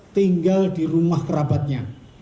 tinggal di rumah kerabatnya